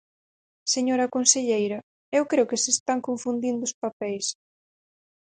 Señora conselleira, eu creo que se están confundindo os papeis.